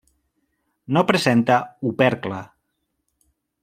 No presenta opercle.